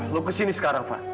lu kesini sekarang